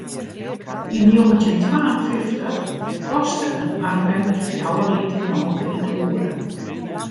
Yn njoggentjin twa en fyftich koste in arbeider fjouwer liter molke yn 'e oere.